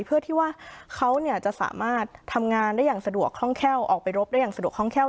เพื่อที่ว่าเขาจะสามารถทำงานได้อย่างสะดวกคล่องแคล่วออกไปรบได้อย่างสะดวกคล่องแคล่